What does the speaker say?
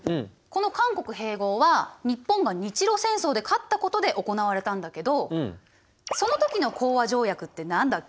この韓国併合は日本が日露戦争で勝ったことで行われたんだけどその時の講和条約って何だっけ？